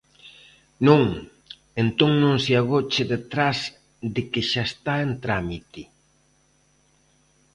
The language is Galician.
Non, entón non se agoche detrás de que xa está en trámite.